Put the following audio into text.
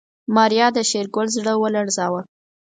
ماريا د شېرګل زړه ولړزاوه.